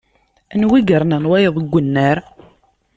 Anwa i yernan wayeḍ deg annar?